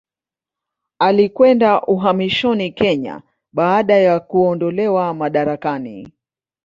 Alikwenda uhamishoni Kenya baada ya kuondolewa madarakani.